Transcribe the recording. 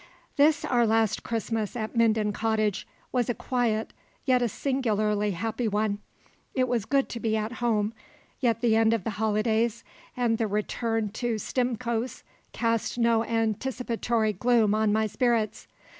This our last Christmas at Minden Cottage was a quiet yet a singularly happy one. It was good to be at home, yet the end of the holidays and the return to Stimcoe's cast no anticipatory gloom on my spirits.